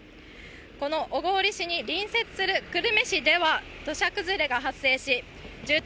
この小郡市に隣接する久留米市では土砂崩れが発生し住宅